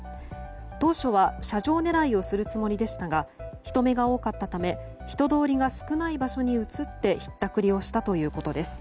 当初は車上狙いをするつもりでしたが人目が多かったため人通りが少ない場所に移ってひったくりをしたということです。